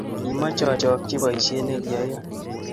Kimeche achokchi boisie ne kiayoe